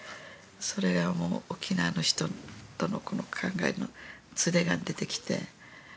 それがもう沖縄の人との考えのズレが出てきて。